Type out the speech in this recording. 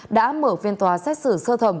đã mở phiên tòa xét xử sơ thẩm